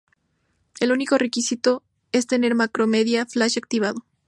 El único requisito es tener Macromedia Flash activado.